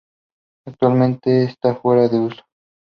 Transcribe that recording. Actualmente está fuera de uso.